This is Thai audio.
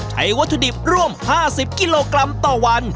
วัตถุดิบร่วม๕๐กิโลกรัมต่อวัน